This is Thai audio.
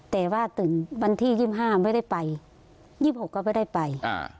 แต่ว่าตื่นวันที่๒๕ไม่ได้ไป๒๖ก็ไม่ได้ไป